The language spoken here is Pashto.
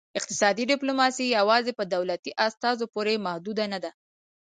اقتصادي ډیپلوماسي یوازې په دولتي استازو پورې محدوده نه ده